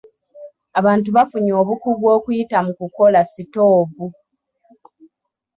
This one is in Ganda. Abantu bafunye obukugu okuyita mu kukola sitoovu.